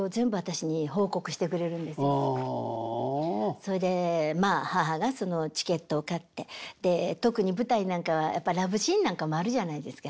それでまあ母がそのチケットを買ってで特に舞台なんかはやっぱラブシーンなんかもあるじゃないですか。